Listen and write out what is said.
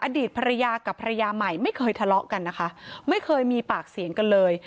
อดีตภรรยากับภรรยาใหม่ไม่เคยทะเลาะกันนะคะไม่เคยมีปากเสียงกันเลย